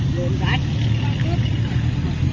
สวัสดีครับทุกคน